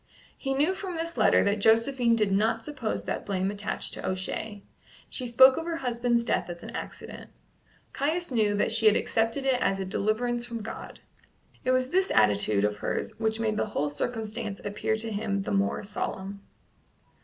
He knew from this letter that Josephine did not suppose that blame attached to O'Shea. She spoke of her husband's death as an accident. Caius knew that she had accepted it as a deliverance from God. It was this attitude of hers which made the whole circumstance appear to him the more solemn.